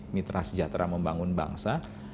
mitra sejahtera membangun bangsa